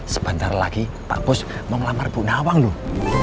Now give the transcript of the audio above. sebentar lagi pak bos mau melamar bu nawang loh